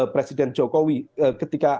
presiden jokowi ketika